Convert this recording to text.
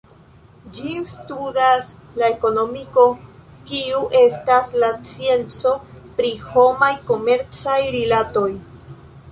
Ĝin studas la ekonomiko kiu estas la scienco pri homaj komercaj rilatoj.